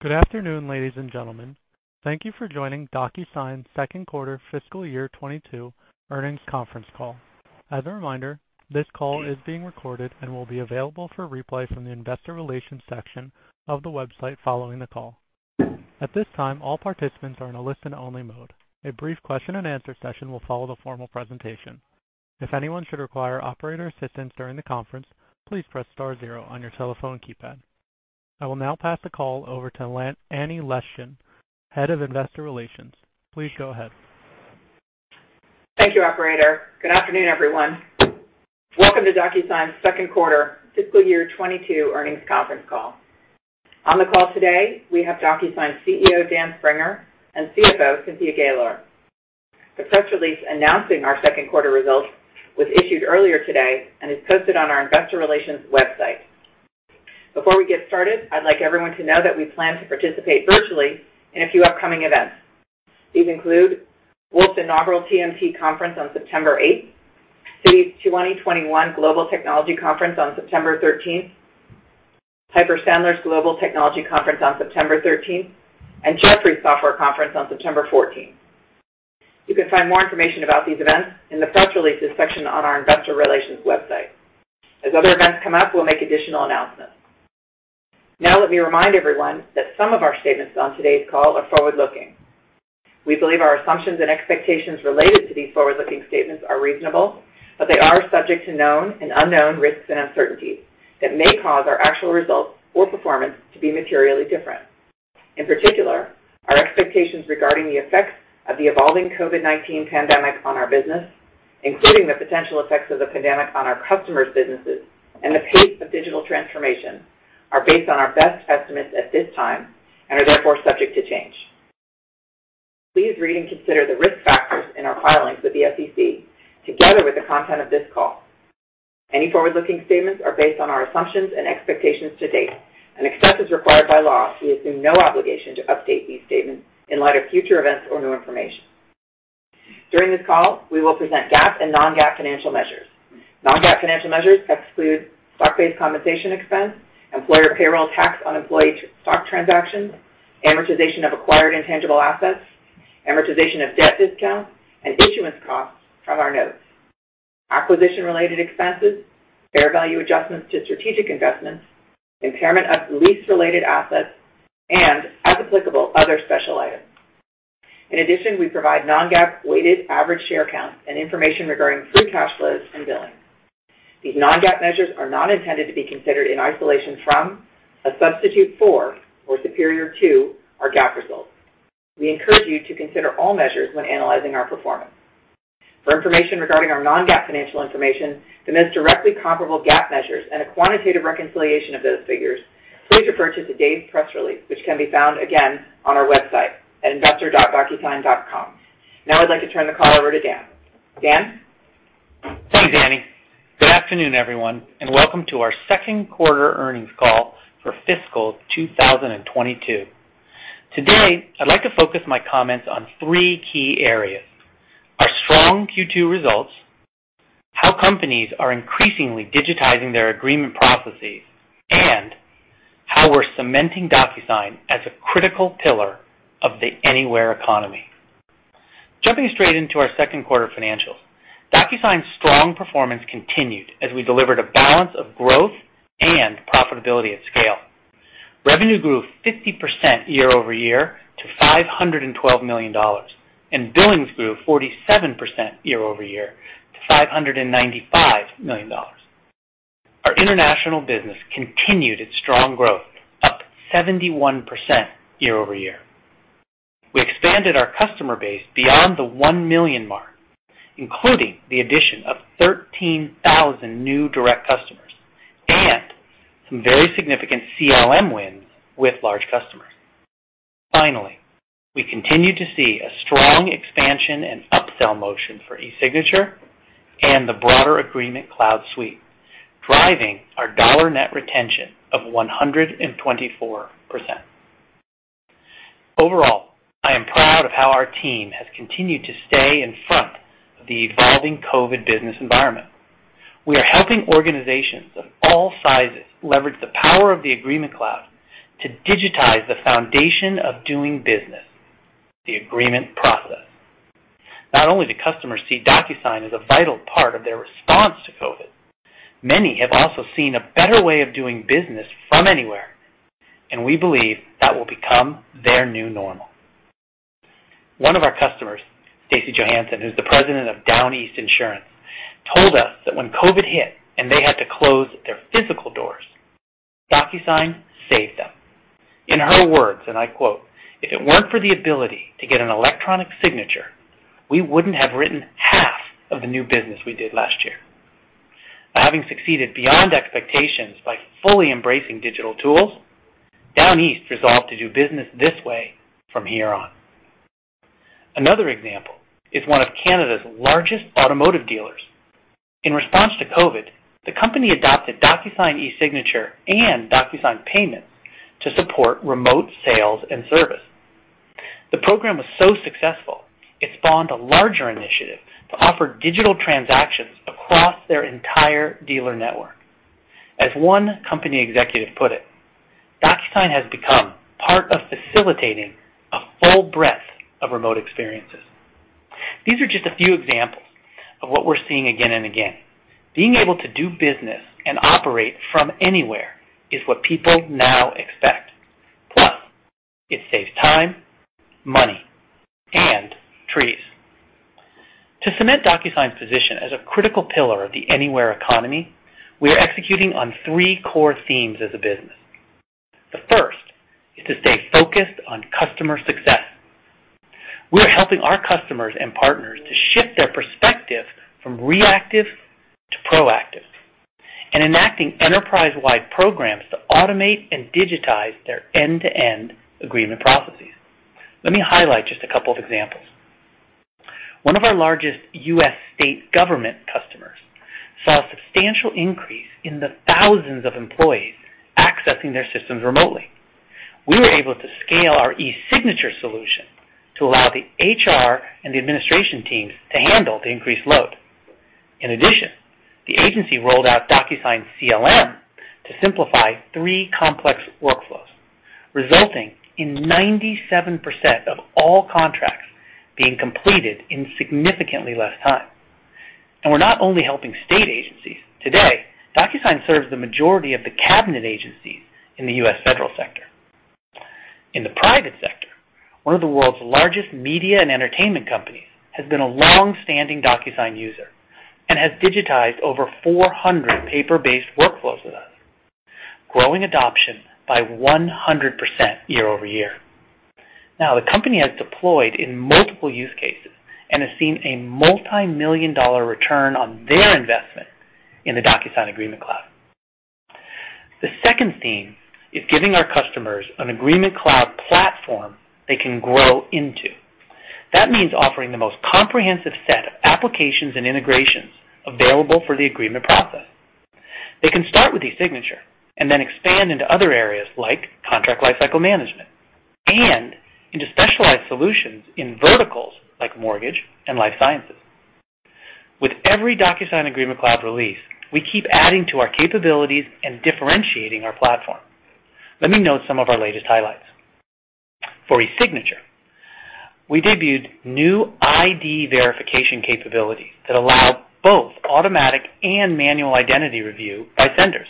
Good afternoon, ladies and gentlemen. Thank you for joining DocuSign's second quarter fiscal year 2022 earnings conference call. As a reminder, this call is being recorded and will be available for replay from the investor relations section of the website following thecall. At this time, all participants are in a listen-only mode. A brief question and answer session will follow the formal presentation. If anyone should require operator assistance during the conference, please press star zero on your telephone keypad. I will now pass the call over to Annie Leschin, Head of Investor Relations. Please go ahead. Thank you, operator. Good afternoon, everyone. Welcome to DocuSign's second quarter fiscal year 2022 earnings conference call. On the call today, we have DocuSign CEO, Dan Springer, and CFO, Cynthia Gaylor. The press release announcing our second quarter results was issued earlier today and is posted on our investor relations website. Before we get started, I'd like everyone to know that we plan to participate virtually in a few upcoming events. These include Wolfe Research Inaugural TMT Conference on September 8th, Citi 2021 Global Technology Conference on September 13th, Piper Sandler's Global Technology Conference on September 13th, Jefferies Software Conference on September 14th. You can find more information about these events in the press releases section on our investor relations website. As other events come up, we'll make additional announcements. Let me remind everyone that some of our statements on today's call are forward-looking. We believe our assumptions and expectations related to these forward-looking statements are reasonable, but they are subject to known and unknown risks and uncertainties that may cause our actual results or performance to be materially different. In particular, our expectations regarding the effects of the evolving COVID-19 pandemic on our business, including the potential effects of the pandemic on our customers' businesses and the pace of digital transformation, are based on our best estimates at this time and are therefore subject to change. Please read and consider the risk factors in our filings with the SEC, together with the content of this call. Any forward-looking statements are based on our assumptions and expectations to date, and except as required by law, we assume no obligation to update these statements in light of future events or new information. During this call, we will present GAAP and non-GAAP financial measures. Non-GAAP financial measures exclude stock-based compensation expense, employer payroll tax on employee stock transactions, amortization of acquired intangible assets, amortization of debt discounts, and issuance costs from our notes, acquisition-related expenses, fair value adjustments to strategic investments, impairment of lease-related assets, and, as applicable, other special items. In addition, we provide non-GAAP weighted average share count and information regarding free cash flows and billing. These non-GAAP measures are not intended to be considered in isolation from, a substitute for, or superior to, our GAAP results. We encourage you to consider all measures when analyzing our performance. For information regarding our non-GAAP financial information, the most directly comparable GAAP measures, and a quantitative reconciliation of those figures, please refer to today's press release, which can be found again on our website at investor.docusign.com. Now I'd like to turn the call over to Dan. Dan? Thanks, Annie. Good afternoon, everyone, and welcome to our second quarter earnings call for fiscal 2022. Today, I'd like to focus my comments on three key areas. Our strong Q2 results, how companies are increasingly digitizing their agreement processes, and how we're cementing DocuSign as a critical pillar of the anywhere economy. Jumping straight into our second quarter financials, DocuSign's strong performance continued as we delivered a balance of growth and profitability at scale. Revenue grew 50% year-over-year to $512 million, and billings grew 47% year-over-year to $595 million. Our international business continued its strong growth, up 71% year-over-year. We expanded our customer base beyond the 1 million mark, including the addition of 13,000 new direct customers and some very significant CLM wins with large customers. We continue to see a strong expansion and upsell motion for eSignature and the broader Agreement Cloud suite, driving our dollar net retention of 124%. Overall, I am proud of how our team has continued to stay in front of the evolving COVID business environment. We are helping organizations of all sizes leverage the power of the Agreement Cloud to digitize the foundation of doing business, the agreement process. Not only do customers see DocuSign as a vital part of their response to COVID, many have also seen a better way of doing business from anywhere, and we believe that will become their new normal. One of our customers, Stacy Johansen, who's the President of Downeast Insurance, told us that when COVID hit and they had to close their physical doors, DocuSign saved them. In her words, and I quote, "If it weren't for the ability to get an eSignature, we wouldn't have written half of the new business we did last year." By having succeeded beyond expectations by fully embracing digital tools, Downeast resolved to do business this way from here on. Another example is one of Canada's largest automotive dealers. In response to COVID, the company adopted DocuSign eSignature and DocuSign Payments to support remote sales and service. The program was so successful it spawned a larger initiative to offer digital transactions across their entire dealer network. As one company executive put it, "DocuSign has become part of facilitating a full breadth of remote experiences." These are just a few examples of what we're seeing again and again. Being able to do business and operate from anywhere is what people now expect. Plus, it saves time, money, and trees. To cement DocuSign's position as a critical pillar of the anywhere economy, we are executing on three core themes as a business. The first is to stay focused on customer success. We are helping our customers and partners to shift their perspective from reactive to proactive, and enacting enterprise-wide programs to automate and digitize their end-to-end agreement processes. Let me highlight just a couple of examples. One of our largest U.S. state government customers saw a substantial increase in the thousands of employees accessing their systems remotely. We were able to scale our eSignature solution to allow the HR and the administration teams to handle the increased load. The agency rolled out DocuSign CLM to simplify three complex workflows, resulting in 97% of all contracts being completed in significantly less time. We're not only helping state agencies. Today, DocuSign serves the majority of the cabinet agencies in the U.S. federal sector. In the private sector, one of the world's largest media and entertainment companies has been a longstanding DocuSign user and has digitized over 400 paper-based workflows with us, growing adoption by 100% year-over-year. Now the company has deployed in multiple use cases and has seen a multi-million dollar return on their investment in the DocuSign Agreement Cloud. The second theme is giving our customers an Agreement Cloud platform they can grow into. That means offering the most comprehensive set of applications and integrations available for the agreement process. They can start with eSignature and then expand into other areas like contract lifecycle management and into specialized solutions in verticals like mortgage and life sciences. With every DocuSign Agreement Cloud release, we keep adding to our capabilities and differentiating our platform. Let me note some of our latest highlights. For eSignature, we debuted new ID verification capabilities that allow both automatic and manual identity review by senders.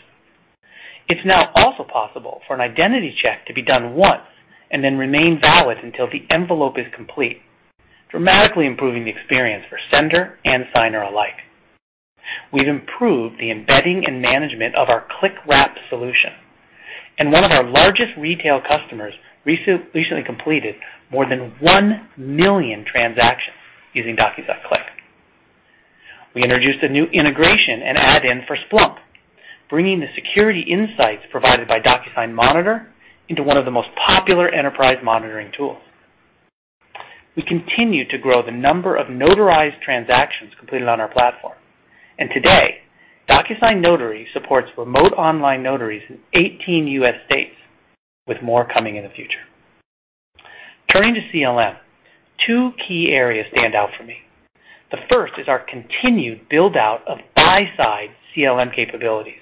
It's now also possible for an identity check to be done once and then remain valid until the envelope is complete, dramatically improving the experience for sender and signer alike. We've improved the embedding and management of our Clickwrap solution. One of our largest retail customers recently completed more than 1 million transactions using DocuSign Click. We introduced a new integration and add-in for Splunk, bringing the security insights provided by DocuSign Monitor into one of the most popular enterprise monitoring tools. We continue to grow the number of notarized transactions completed on our platform. Today, DocuSign Notary supports remote online notaries in 18 U.S. states, with more coming in the future. Turning to CLM, two key areas stand out for me. The first is our continued build-out of buy-side CLM capabilities.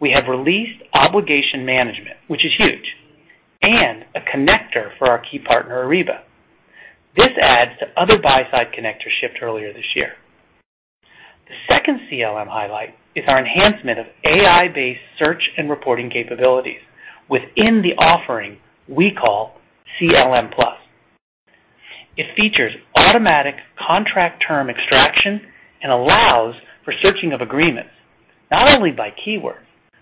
We have released obligation management, which is huge, and a connector for our key partner, Ariba. This adds to other buy-side connectors shipped earlier this year. The second CLM highlight is our enhancement of AI-based search and reporting capabilities within the offering we call CLM+. It features automatic contract term extraction and allows for searching of agreements not only by keyword,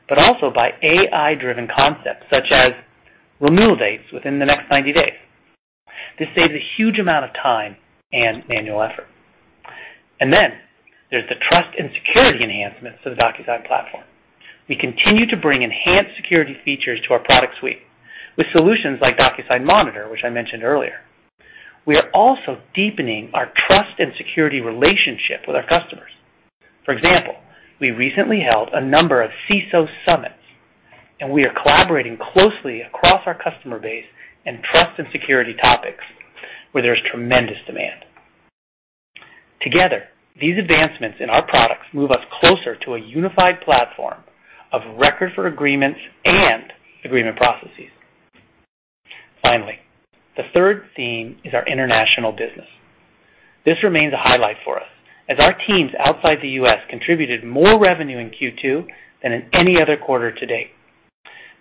but also by AI-driven concepts such as renewal dates within the next 90 days. This saves a huge amount of time and manual effort. There's the trust and security enhancements to the DocuSign platform. We continue to bring enhanced security features to our product suite with solutions like DocuSign Monitor, which I mentioned earlier. We are also deepening our trust and security relationship with our customers. For example, we recently held a number of CISO summits and we are collaborating closely across our customer base in trust and security topics where there's tremendous demand. Together, these advancements in our products move us closer to a unified platform of record for agreements and agreement processes. The third theme is our international business. This remains a highlight for us as our teams outside the U.S. contributed more revenue in Q2 than in any other quarter to date.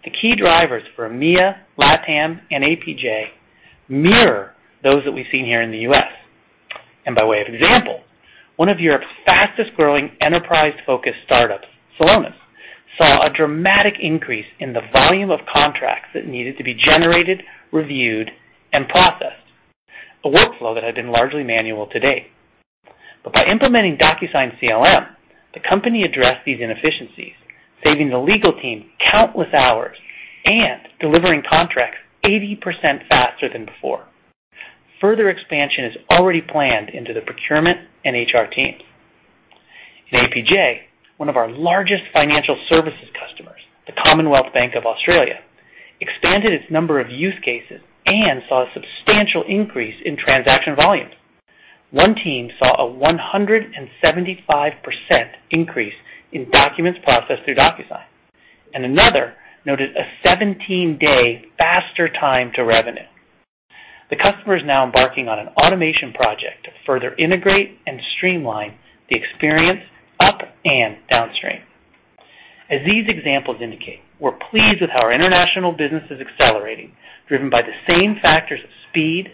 The key drivers for EMEA, LATAM, and APJ mirror those that we've seen here in the U.S. By way of example, one of Europe's fastest-growing enterprise-focused startups, Celonis, saw a dramatic increase in the volume of contracts that needed to be generated, reviewed, and processed, a workflow that had been largely manual to date. By implementing DocuSign CLM, the company addressed these inefficiencies, saving the legal team countless hours and delivering contracts 80% faster than before. Further expansion is already planned into the procurement and HR teams. In APJ, one of our largest financial services customers, the Commonwealth Bank of Australia, expanded its number of use cases and saw a substantial increase in transaction volumes. One team saw a 175% increase in documents processed through DocuSign, and another noted a 17-day faster time to revenue. The customer is now embarking on an automation project to further integrate and streamline the experience up and downstream. As these examples indicate, we're pleased with how our international business is accelerating, driven by the same factors of speed,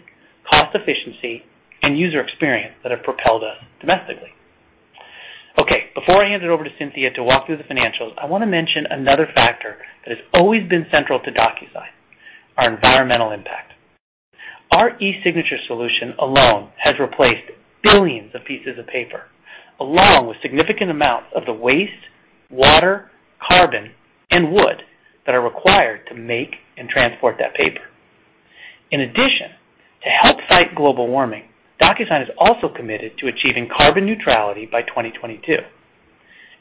cost efficiency, and user experience that have propelled us domestically. Okay, before I hand it over to Cynthia to walk through the financials, I want to mention another factor that has always been central to DocuSign, our environmental impact. Our e-signature solution alone has replaced billions of pieces of paper, along with significant amounts of the waste, water, carbon, and wood that are required to make and transport that paper. In addition, to help fight global warming, DocuSign is also committed to achieving carbon neutrality by 2022.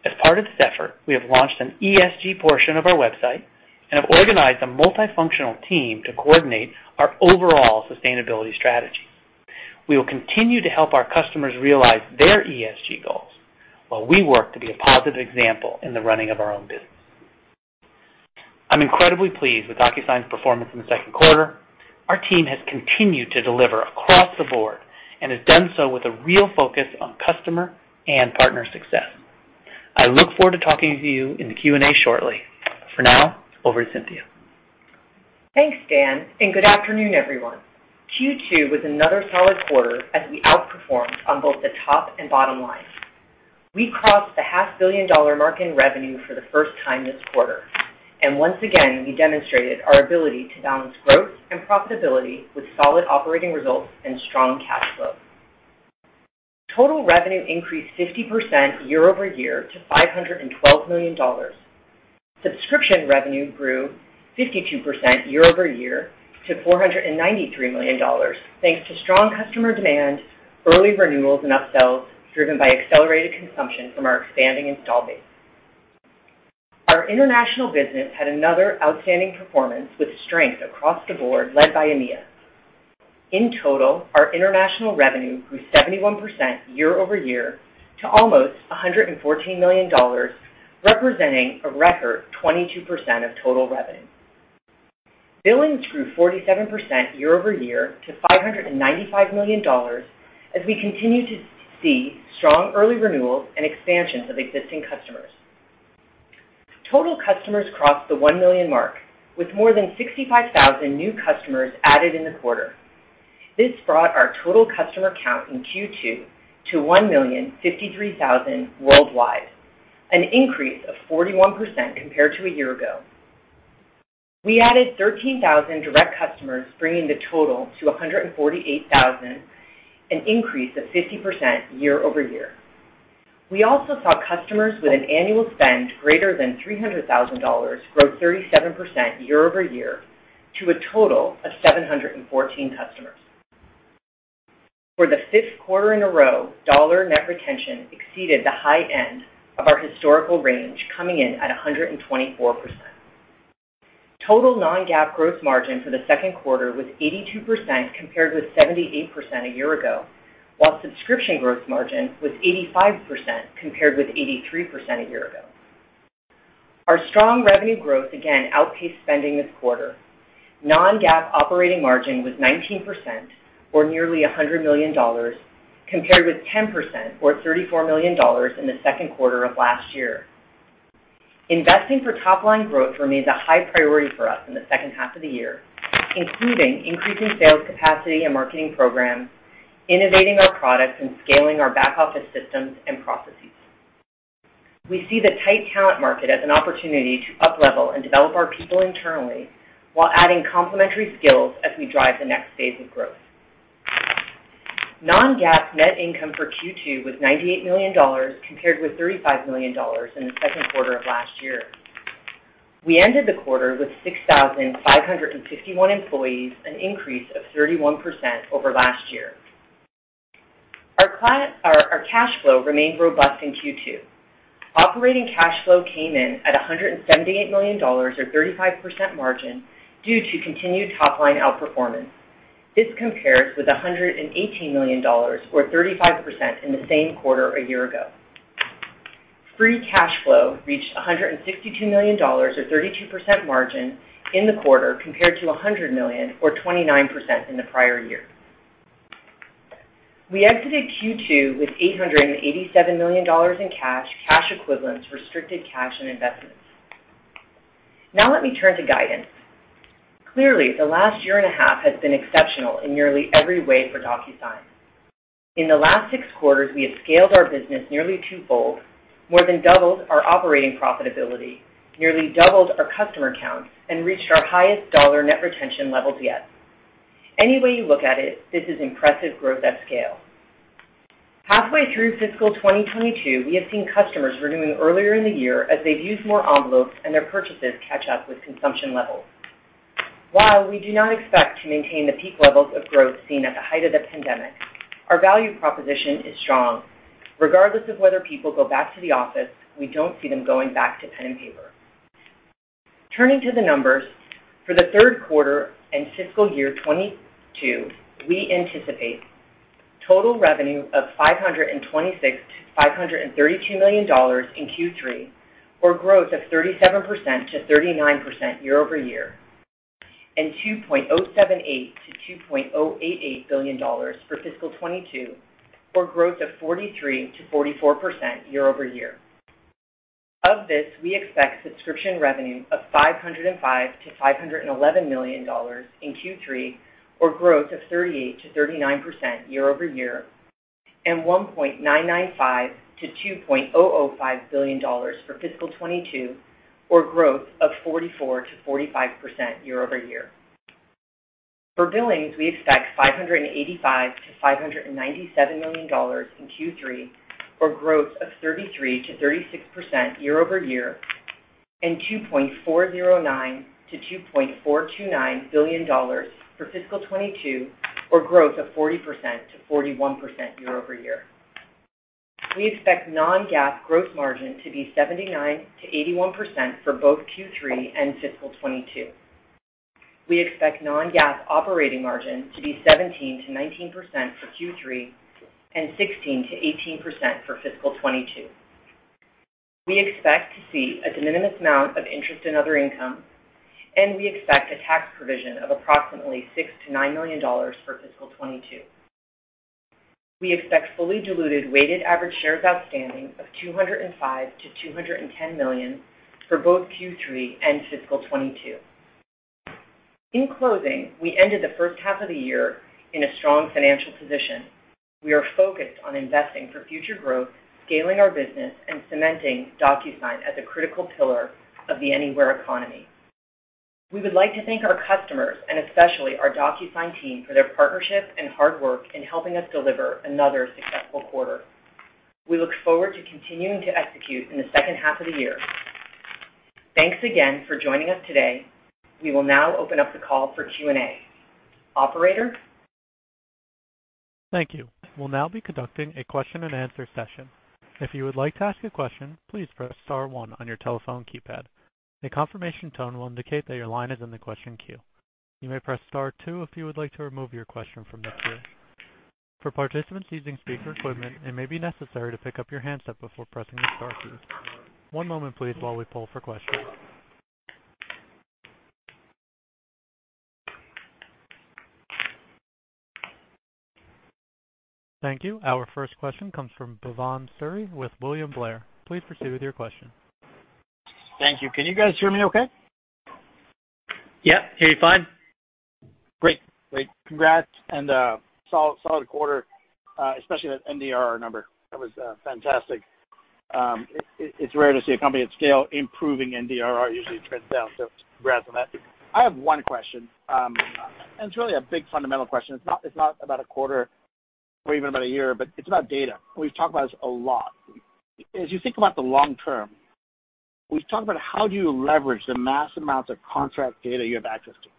As part of this effort, we have launched an ESG portion of our website and have organized a multifunctional team to coordinate our overall sustainability strategy. We will continue to help our customers realize their ESG goals while we work to be a positive example in the running of our own business. I'm incredibly pleased with DocuSign's performance in the second quarter. Our team has continued to deliver across the board and has done so with a real focus on customer and partner success. I look forward to talking to you in the Q&A shortly. For now, over to Cynthia. Thanks, Dan. Good afternoon, everyone. Q2 was another solid quarter as we outperformed on both the top and bottom line. We crossed the half-billion-dollar mark in revenue for the first time this quarter. Once again, we demonstrated our ability to balance growth and profitability with solid operating results and strong cash flow. Total revenue increased 50% year-over-year to $512 million. Subscription revenue grew 52% year-over-year to $493 million, thanks to strong customer demand, early renewals, and upsells driven by accelerated consumption from our expanding install base. Our international business had another outstanding performance with strength across the board led by EMEA. In total, our international revenue grew 71% year-over-year to almost $114 million, representing a record 22% of total revenue. Billings grew 47% year-over-year to $595 million as we continue to see strong early renewals and expansions of existing customers. Total customers crossed the 1 million mark, with more than 65,000 new customers added in the quarter. This brought our total customer count in Q2 to 1,053,000 worldwide, an increase of 41% compared to a year ago. We added 13,000 direct customers, bringing the total to 148,000, an increase of 50% year-over-year. We also saw customers with an annual spend greater than $300,000 grow 37% year-over-year to a total of 714 customers. For the fifth quarter in a row, dollar net retention exceeded the high end of our historical range, coming in at 124%. Total non-GAAP gross margin for the second quarter was 82% compared with 78% a year ago, while subscription gross margin was 85% compared with 83% a year ago. Our strong revenue growth again outpaced spending this quarter. Non-GAAP operating margin was 19%, or nearly $100 million, compared with 10%, or $34 million in the second quarter of last year. Investing for top-line growth remains a high priority for us in the second half of the year, including increasing sales capacity and marketing programs, innovating our products, and scaling our back-office systems and processes. We see the tight talent market as an opportunity to uplevel and develop our people internally while adding complementary skills as we drive the next phase of growth. Non-GAAP net income for Q2 was $98 million, compared with $35 million in the second quarter of last year. We ended the quarter with 6,551 employees, an increase of 31% over last year. Our cash flow remained robust in Q2. Operating cash flow came in at $178 million, or 35% margin, due to continued top-line outperformance. This compares with $118 million, or 35%, in the same quarter a year ago. Free cash flow reached $162 million or 32% margin in the quarter, compared to $100 million or 29% in the prior year. We exited Q2 with $887 million in cash equivalents, restricted cash, and investments. Let me turn to guidance. Clearly, the last year and a half has been exceptional in nearly every way for DocuSign. In the last six quarters, we have scaled our business nearly twofold, more than doubled our operating profitability, nearly doubled our customer count, and reached our highest dollar net retention levels yet. Any way you look at it, this is impressive growth at scale. Halfway through fiscal 2022, we have seen customers renewing earlier in the year as they've used more envelopes and their purchases catch up with consumption levels. While we do not expect to maintain the peak levels of growth seen at the height of the pandemic, our value proposition is strong. Regardless of whether people go back to the office, we don't see them going back to pen and paper. Turning to the numbers, for the third quarter and fiscal year 2022, we anticipate total revenue of $526 million-$532 million in Q3, or growth of 37%-39% year-over-year, and $2.078 billion-$2.088 billion for fiscal 2022, or growth of 43%-44% year-over-year. Of this, we expect subscription revenue of $505 million-$511 million in Q3, or growth of 38%-39% year-over-year, and $1.995 billion-$2.005 billion for fiscal 2022, or growth of 44%-45% year-over-year. For billings, we expect $585 million-$597 million in Q3, or growth of 33%-36% year-over-year, and $2.409 billion-$2.429 billion for fiscal 2022, or growth of 40%-41% year-over-year. We expect non-GAAP gross margin to be 79%-81% for both Q3 and fiscal 2022. We expect non-GAAP operating margin to be 17%-19% for Q3 and 16%-18% for fiscal 2022. We expect to see a de minimis amount of interest in other income, and we expect a tax provision of approximately $6 million-$9 million for fiscal 2022. We expect fully diluted weighted average shares outstanding of $205 million-$210 million for both Q3 and fiscal 2022. In closing, we ended the first half of the year in a strong financial position. We are focused on investing for future growth, scaling our business, and cementing DocuSign as a critical pillar of the anywhere economy. We would like to thank our customers and especially our DocuSign team for their partnership and hard work in helping us deliver another successful quarter. We look forward to continuing to execute in the second half of the year. Thanks again for joining us today. We will now open up the call for Q&A. Operator? Our first question comes from Bhavan Suri with William Blair. Please proceed with your question. Thank you. Can you guys hear me okay? Yeah, I hear you fine. Great. Congrats, solid quarter, especially that NDR number. That was fantastic. It's rare to see a company at scale improving NDR. It usually trends down, congrats on that. I have one question, it's really a big fundamental question. It's not about a quarter or even about a year, it's about data. We've talked about this a lot. As you think about the long term, we've talked about how do you leverage the mass amounts of contract data you have access to.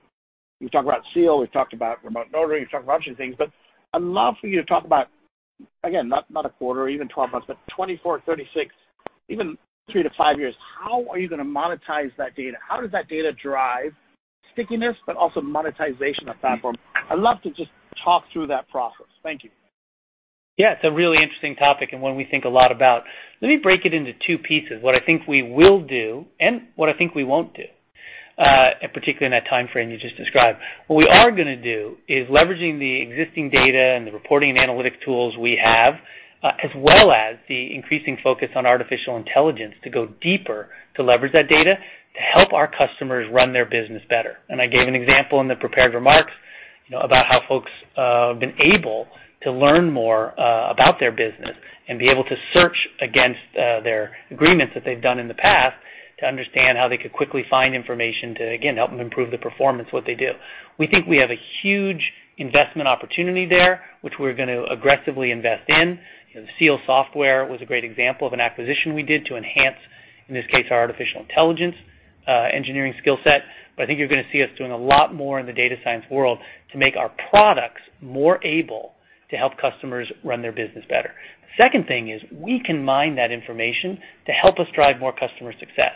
We've talked about Seal, we've talked about remote Notary, we've talked about a bunch of things, I'd love for you to talk about, again, not a quarter or even 12 months, 24, 36, even three to five years, how are you going to monetize that data? How does that data drive stickiness but also monetization of platform? I'd love to just talk through that process. Thank you. Yeah, it's a really interesting topic and one we think a lot about. Let me break it into two pieces, what I think we will do and what I think we won't do, particularly in that time frame you just described. What we are gonna do is leveraging the existing data and the reporting and analytic tools we have, as well as the increasing focus on artificial intelligence to go deeper to leverage that data to help our customers run their business better. I gave an example in the prepared remarks about how folks have been able to learn more about their business and be able to search against their agreements that they've done in the past to understand how they could quickly find information to, again, help them improve the performance of what they do. We think we have a huge investment opportunity there, which we're going to aggressively invest in. The Seal Software was a great example of an acquisition we did to enhance, in this case, our artificial intelligence engineering skill set. I think you're going to see us doing a lot more in the data science world to make our products more able to help customers run their business better. The second thing is we can mine that information to help us drive more customer success.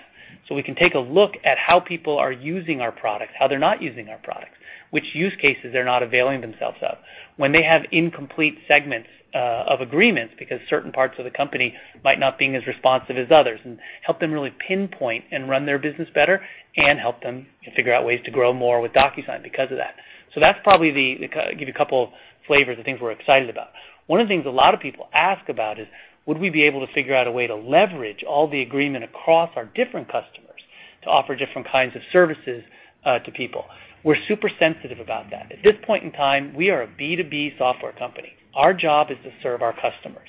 We can take a look at how people are using our products, how they're not using our products, which use cases they're not availing themselves of. When they have incomplete segments of agreements because certain parts of the company might not be as responsive as others, and help them really pinpoint and run their business better and help them figure out ways to grow more with DocuSign because of that. That's probably the Give you a couple flavors of things we're excited about. One of the things a lot of people ask about is, would we be able to figure out a way to leverage all the agreement across our different customers to offer different kinds of services to people? We're super sensitive about that. At this point in time, we are a B2B software company. Our job is to serve our customers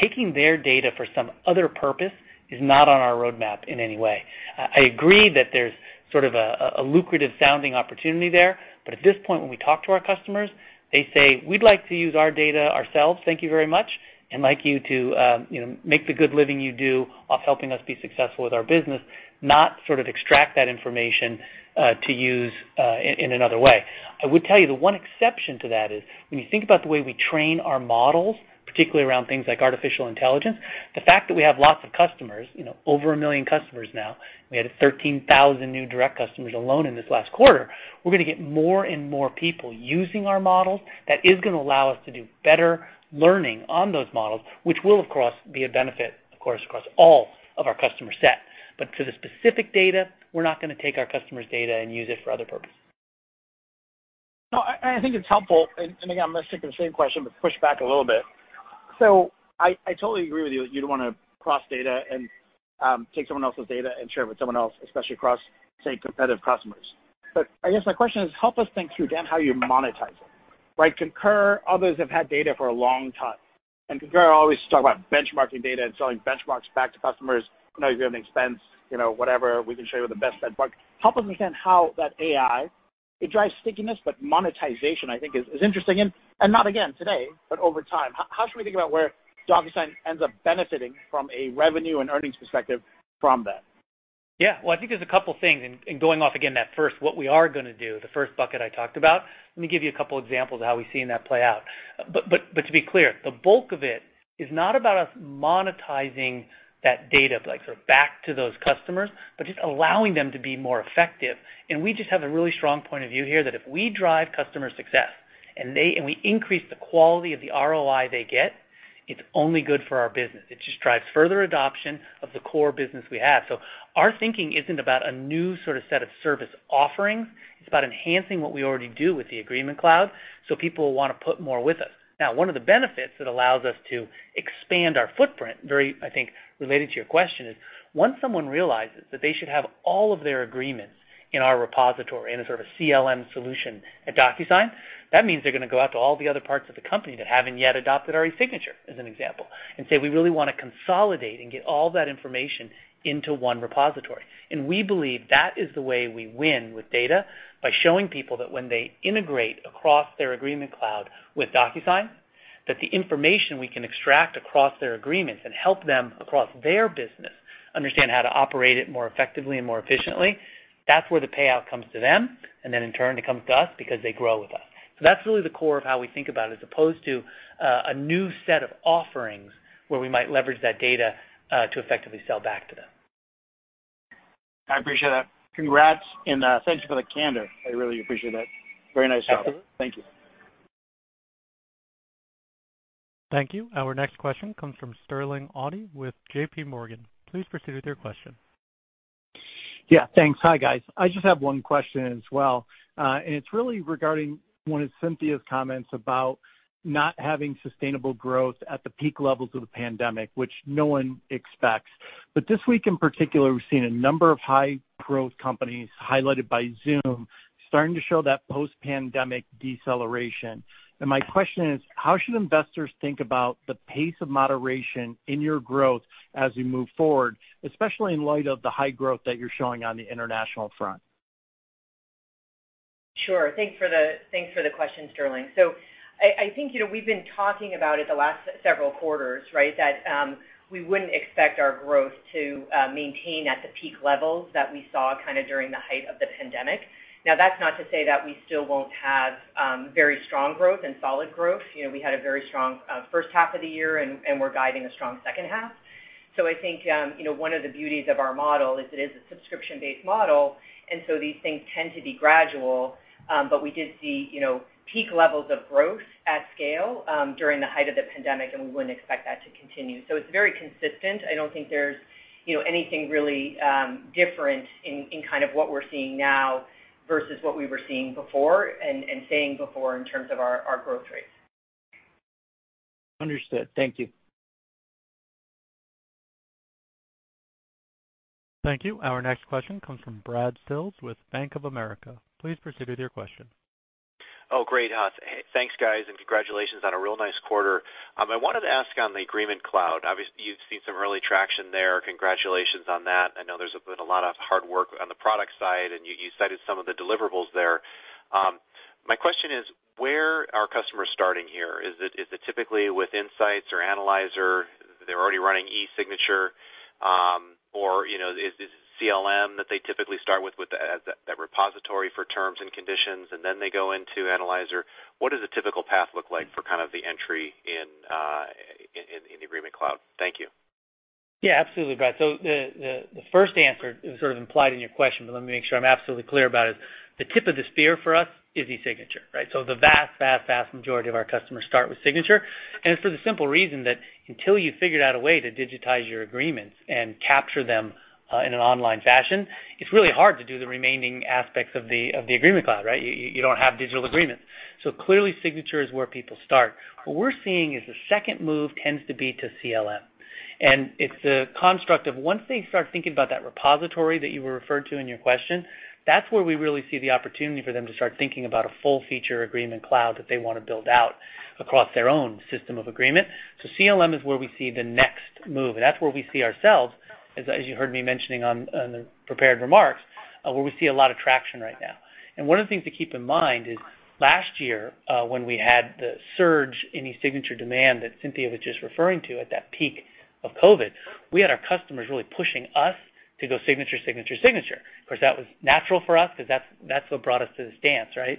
Taking their data for some other purpose is not on our roadmap in any way. I agree that there's sort of a lucrative-sounding opportunity there, but at this point, when we talk to our customers, they say, "We'd like to use our data ourselves, thank you very much, and like you to make the good living you do off helping us be successful with our business, not sort of extract that information to use in another way." I would tell you the one exception to that is when you think about the way we train our models, particularly around things like artificial intelligence, the fact that we have lots of customers, over 1 million customers now, we added 13,000 new direct customers alone in this last quarter, we're going to get more and more people using our models. That is going to allow us to do better learning on those models, which will, of course, be a benefit, of course, across all of our customer set. To the specific data, we're not going to take our customers' data and use it for other purposes. No, I think it's helpful, and again, I'm going to stick to the same question but push back a little bit. I totally agree with you that you don't want to cross-data and take someone else's data and share it with someone else, especially across, say, competitive customers. I guess my question is, help us think through, again, how you monetize it, right? Concur, others have had data for a long time, and Concur always talk about benchmarking data and selling benchmarks back to customers. You know, if you have an expense, whatever, we can show you the best benchmark. Help us understand how that AI, it drives stickiness, but monetization, I think, is interesting, and not again today, but over time. How should we think about where DocuSign ends up benefiting from a revenue and earnings perspective from that? Yeah. Well, I think there's a couple things, going off again, that first, what we are going to do, the first bucket I talked about. Let me give you a couple examples of how we've seen that play out. To be clear, the bulk of it is not about us monetizing that data, like sort of back to those customers, but just allowing them to be more effective. We just have a really strong point of view here that if we drive customer success, and we increase the quality of the ROI they get, it's only good for our business. It just drives further adoption of the core business we have. Our thinking isn't about a new set of service offerings. It's about enhancing what we already do with the Agreement Cloud, people will want to put more with us. Now, one of the benefits that allows us to expand our footprint, very, I think, related to your question, is once someone realizes that they should have all of their agreements in our repository, in a sort of CLM solution at DocuSign, that means they're going to go out to all the other parts of the company that haven't yet adopted our eSignature, as an example, and say, "We really want to consolidate and get all that information into one repository." We believe that is the way we win with data, by showing people that when they integrate across their Agreement Cloud with DocuSign, that the information we can extract across their agreements and help them across their business understand how to operate it more effectively and more efficiently, that's where the payout comes to them, and then in turn, it comes to us because they grow with us. That's really the core of how we think about it, as opposed to a new set of offerings where we might leverage that data to effectively sell back to them. I appreciate that. Congrats, and thanks for the candor. I really appreciate it. Very nice job. Absolutely. Thank you. Thank you. Our next question comes from Sterling Auty with JPMorgan. Please proceed with your question. Yeah, thanks. Hi, guys. I just have one question as well. It's really regarding one of Cynthia's comments about not having sustainable growth at the peak levels of the pandemic, which no one expects. This week in particular, we've seen a number of high-growth companies highlighted by Zoom starting to show that post-pandemic deceleration. My question is, how should investors think about the pace of moderation in your growth as we move forward, especially in light of the high growth that you're showing on the international front? Sure. Thanks for the question, Sterling. I think we've been talking about it the last several quarters, right? That we wouldn't expect our growth to maintain at the peak levels that we saw kind of during the height of the pandemic. Now, that's not to say that we still won't have very strong growth and solid growth. We had a very strong first half of the year, and we're guiding a strong second half. I think one of the beauties of our model is it is a subscription-based model, and so these things tend to be gradual. We did see peak levels of growth at scale during the height of the pandemic, and we wouldn't expect that to continue. It's very consistent. I don't think there's anything really different in kind of what we're seeing now versus what we were seeing before and saying before in terms of our growth rates. Understood. Thank you. Thank you. Our next question comes from Brad Sills with Bank of America. Please proceed with your question. Great. Thanks, guys, and congratulations on a real nice quarter. I wanted to ask on the Agreement Cloud. Obviously, you've seen some early traction there. Congratulations on that. I know there's been a lot of hard work on the product side, and you cited some of the deliverables there. My question is, where are customers starting here? Is it typically with Insight or Analyzer? They're already running eSignature, or is it CLM that they typically start with that repository for terms and conditions, and then they go into Analyzer? What does a typical path look like for kind of the entry in the Agreement Cloud? Thank you. Yeah, absolutely, Brad. The first answer is sort of implied in your question, but let me make sure I'm absolutely clear about it. The tip of the spear for us is eSignature, right? The vast, vast majority of our customers start with Signature, and it's for the simple reason that until you've figured out a way to digitize your agreements and capture them in an online fashion, it's really hard to do the remaining aspects of the Agreement Cloud, right? You don't have digital agreements. Clearly, signature is where people start. What we're seeing is the second move tends to be to CLM. It's the construct of once they start thinking about that repository that you referred to in your question, that's where we really see the opportunity for them to start thinking about a full-feature Agreement Cloud that they want to build out across their own system of agreement. CLM is where we see the next move, and that's where we see ourselves, as you heard me mentioning on the prepared remarks, where we see a lot of traction right now. One of the things to keep in mind is last year, when we had the surge in eSignature demand that Cynthia was just referring to at that peak of COVID, we had our customers really pushing us to go signature. Of course, that was natural for us because that's what brought us to this dance, right?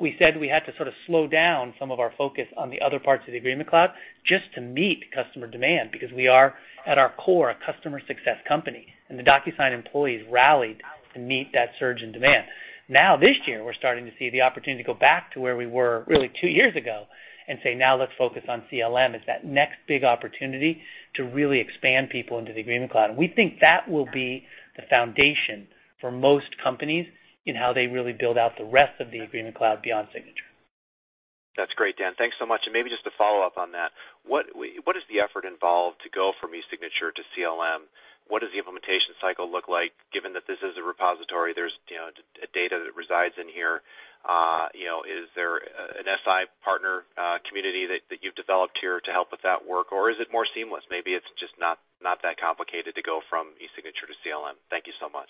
We said we had to sort of slow down some of our focus on the other parts of the Agreement Cloud just to meet customer demand, because we are, at our core, a customer success company, and the DocuSign employees rallied to meet that surge in demand. Now this year, we're starting to see the opportunity to go back to where we were really two years ago and say, "Now let's focus on CLM." It's that next big opportunity to really expand people into the Agreement Cloud. We think that will be the foundation for most companies in how they really build out the rest of the Agreement Cloud beyond signature. That's great, Dan. Thanks so much. Maybe just to follow up on that, what is the effort involved to go from eSignature to CLM? What does the implementation cycle look like given that this is a repository, there's data that resides in here? Is there an SI partner community that you've developed here to help with that work, or is it more seamless? Maybe it's just not that complicated to go from eSignature to CLM. Thank you so much.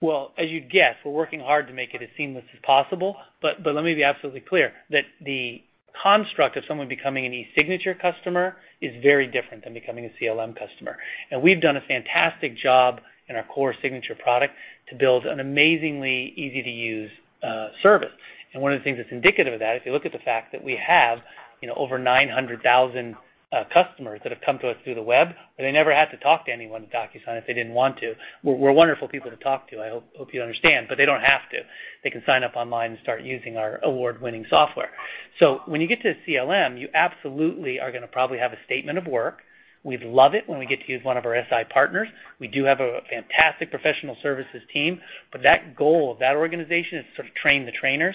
Well, as you'd guess, we're working hard to make it as seamless as possible. Let me be absolutely clear that the construct of someone becoming an eSignature customer is very different than becoming a CLM customer. We've done a fantastic job in our core signature product to build an amazingly easy-to-use service. One of the things that's indicative of that, if you look at the fact that we have over 900,000 customers that have come to us through the web, where they never had to talk to anyone at DocuSign if they didn't want to. We're wonderful people to talk to, I hope you understand, but they don't have to. They can sign up online and start using our award-winning software. When you get to CLM, you absolutely are going to probably have a statement of work. We'd love it when we get to use one of our SI partners. We do have a fantastic professional services team. That goal of that organization is to train the trainers.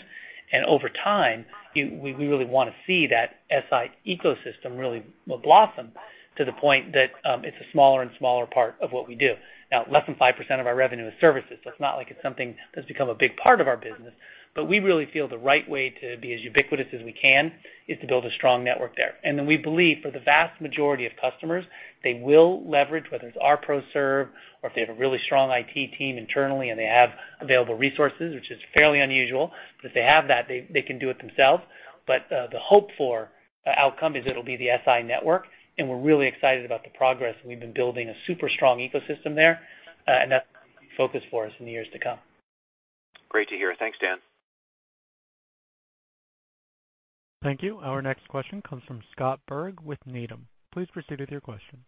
Over time, we really want to see that SI ecosystem really blossom to the point that it's a smaller and smaller part of what we do. Now, less than 5% of our revenue is services. It's not like it's something that's become a big part of our business. We really feel the right way to be as ubiquitous as we can is to build a strong network there. We believe for the vast majority of customers, they will leverage, whether it's our pro serve or if they have a really strong IT team internally and they have available resources, which is fairly unusual, but if they have that, they can do it themselves. The hope for the outcome is it'll be the SI network, and we're really excited about the progress. We've been building a super strong ecosystem there, and that's a focus for us in the years to come. Great to hear. Thanks, Dan. Thank you. Our next question comes from Scott Berg with Needham. Please proceed with your question.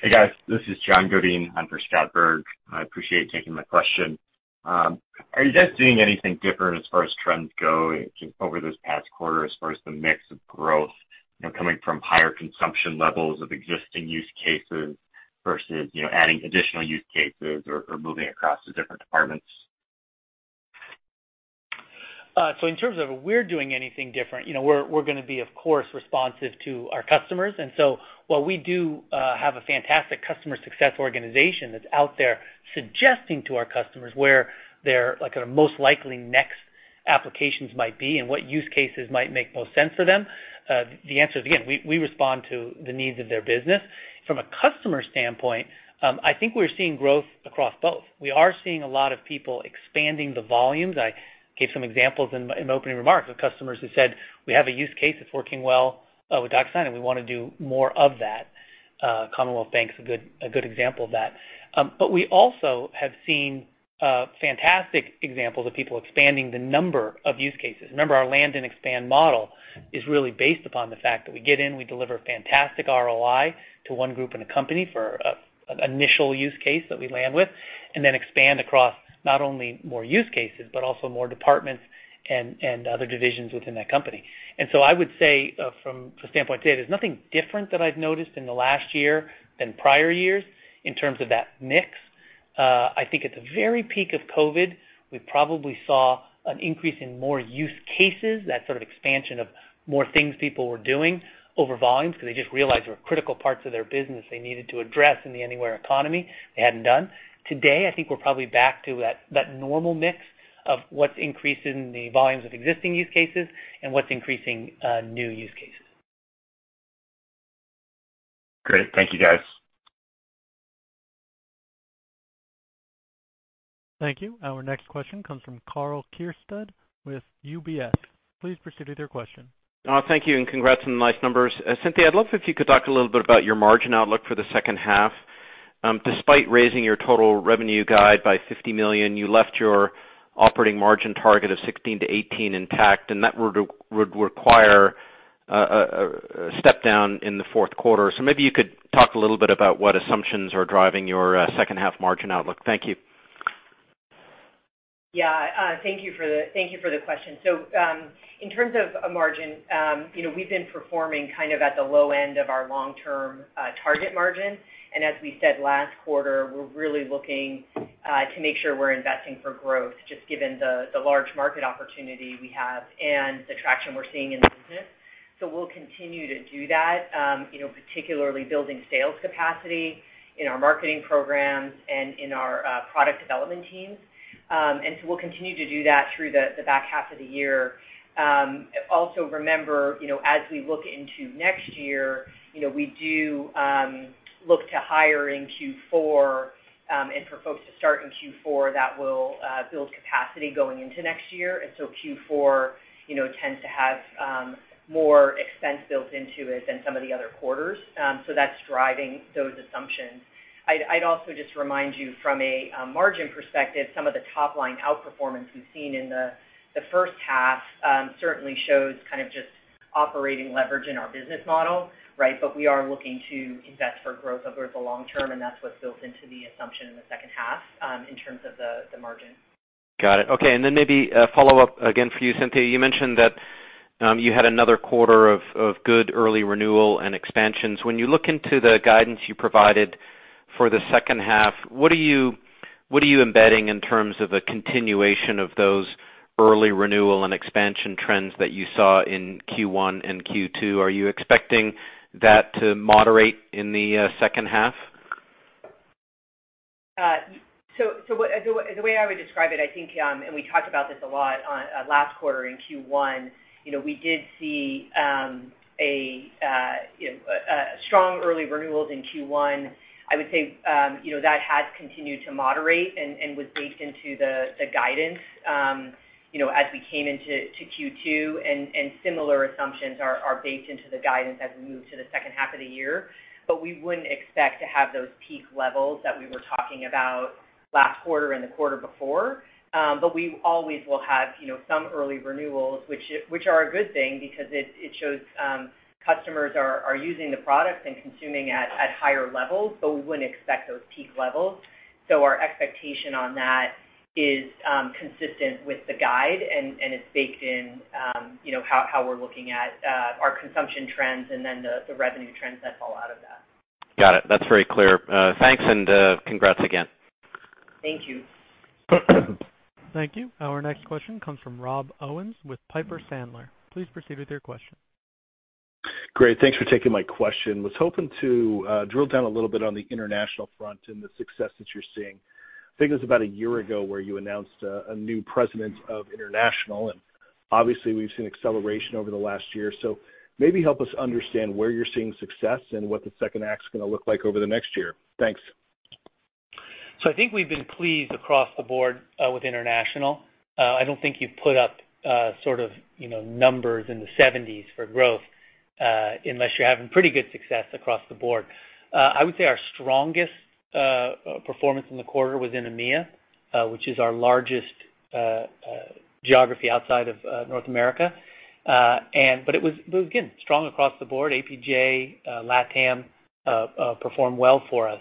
Hey, guys. This is John Godin in for Scott Berg. I appreciate you taking my question. Are you guys doing anything different as far as trends go over this past quarter as far as the mix of growth coming from higher consumption levels of existing use cases versus adding additional use cases or moving across to different departments? In terms of we're doing anything different, we're going to be, of course, responsive to our customers. While we do have a fantastic customer success organization that's out there suggesting to our customers where their most likely next applications might be and what use cases might make most sense for them, the answer is, again, we respond to the needs of their business. From a customer standpoint, I think we're seeing growth across both. We are seeing a lot of people expanding the volumes. I gave some examples in my opening remarks of customers who said, "We have a use case that's working well with DocuSign, and we want to do more of that." Commonwealth Bank's a good example of that. We also have seen fantastic examples of people expanding the number of use cases. Remember, our land and expand model is really based upon the fact that we get in, we deliver fantastic ROI to one group in a company for an initial use case that we land with, and then expand across not only more use cases, but also more departments and other divisions within that company. I would say from a standpoint today, there's nothing different that I've noticed in the last year than prior years in terms of that mix. I think at the very peak of COVID, we probably saw an increase in more use cases, that expansion of more things people were doing over volumes because they just realized there were critical parts of their business they needed to address in the anywhere economy they hadn't done. Today, I think we're probably back to that normal mix of what's increasing the volumes of existing use cases and what's increasing new use cases. Great. Thank you, guys. Thank you. Our next question comes from Karl Keirstead with UBS. Please proceed with your question. Thank you, and congrats on the nice numbers. Cynthia, I'd love if you could talk a little bit about your margin outlook for the second half. Despite raising your total revenue guide by $50 million, you left your operating margin target of 16%-18% intact, and that would require a step down in the fourth quarter. Maybe you could talk a little bit about what assumptions are driving your second half margin outlook. Thank you. Yeah. Thank you for the question. In terms of margin, we've been performing kind of at the low end of our long-term target margin. As we said last quarter, we're really looking to make sure we're investing for growth, just given the large market opportunity we have and the traction we're seeing in the business. We'll continue to do that, particularly building sales capacity in our marketing programs and in our product development teams. We'll continue to do that through the back half of the year. Also remember, as we look into next year, we do look to hire in Q4, and for folks to start in Q4, that will build capacity going into next year. Q4 tends to have more expense built into it than some of the other quarters. That's driving those assumptions. I'd also just remind you from a margin perspective, some of the top-line outperformance we've seen in the first half certainly shows kind of just operating leverage in our business model. We are looking to invest for growth over the long term, and that's what's built into the assumption in the second half in terms of the margin. Got it. Okay, maybe a follow-up again for you, Cynthia. You mentioned that you had another quarter of good early renewal and expansions. When you look into the guidance you provided for the second half, what are you embedding in terms of a continuation of those early renewal and expansion trends that you saw in Q1 and Q2? Are you expecting that to moderate in the second half? The way I would describe it, I think, and we talked about this a lot last quarter in Q1, we did see strong early renewals in Q1. I would say that has continued to moderate and was baked into the guidance as we came into Q2 and similar assumptions are baked into the guidance as we move to the second half of the year. We wouldn't expect to have those peak levels that we were talking about last quarter and the quarter before. We always will have some early renewals, which are a good thing because it shows customers are using the product and consuming at higher levels, but we wouldn't expect those peak levels. Our expectation on that is consistent with the guide and is baked in how we're looking at our consumption trends and then the revenue trends that fall out of that. Got it. That's very clear. Thanks and congrats again. Thank you. Thank you. Our next question comes from Rob Owens with Piper Sandler. Please proceed with your question. Great. Thanks for taking my question. Was hoping to drill down a little bit on the international front and the success that you're seeing. I think it was about a year ago where you announced a new president of international, and obviously we've seen acceleration over the last year. Maybe help us understand where you're seeing success and what the second act's going to look like over the next year. Thanks. I think we've been pleased across the board with international. I don't think you put up sort of numbers in the 70s for growth, unless you're having pretty good success across the board. I would say our strongest performance in the quarter was in EMEA, which is our largest geography outside of North America. But it was, again, strong across the board. APJ, LATAM performed well for us.